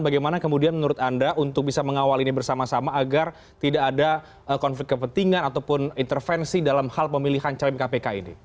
bagaimana kemudian menurut anda untuk bisa mengawal ini bersama sama agar tidak ada konflik kepentingan ataupun intervensi dalam hal pemilihan calem kpk ini